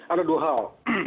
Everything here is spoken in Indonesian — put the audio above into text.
ada dua hal